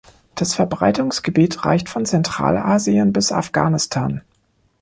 Das Verbreitungsgebiet reicht von Zentralasien bis Afghanistan.